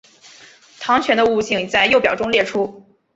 糠醛的物性已在右表中列出。